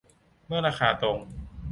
เมื่อราคาตรง